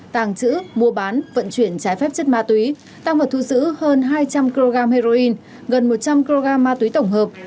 tàng trữ mua bán vận chuyển trái phép chất ma túy tăng vật thu giữ hơn hai trăm linh kg heroin gần một trăm linh kg ma túy tổng hợp